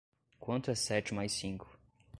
Quanto é sete mais cinco.